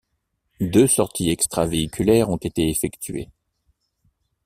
Deux sorties extravéhiculaires ont été effectuées.